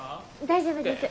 大丈夫です。